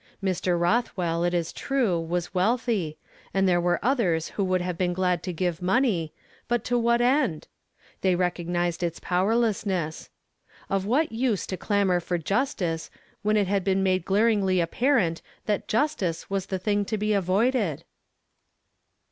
Mr. Rothwell, it is ^true, was wealthy, and there were othere who would have been glad to give money, but to what end? They recognized its powerlessness. Of what use to clamor for justice, when it had been raade glaringly apparent that justice was the thing t.) be avoided?